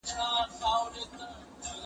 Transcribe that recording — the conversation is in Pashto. لیک د زهشوم له خوا کيږي؟!